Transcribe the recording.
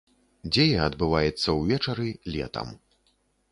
Дзея адбываецца ўвечары, летам.